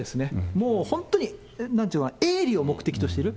もう本当に、なんていうのかな、営利を目的としてる。